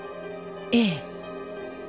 ええ。